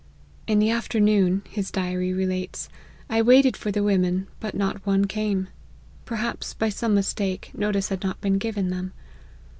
" In the afternoon," his diary re lates, " I waited for the women, but not one came : perhaps, by some mistake, notice had not been given them.